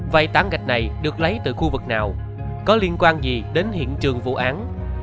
vậy tảng gạch này được lấy từ khu vực nào có liên quan gì đến hiện trường vụ án